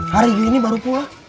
hari ini baru pulang